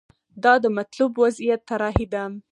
دا د مطلوب وضعیت طراحي ده.